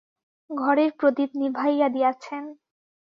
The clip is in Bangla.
ঘরের প্রদীপ নিভাইয়া দিয়াছেন।